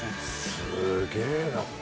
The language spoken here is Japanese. すげえな。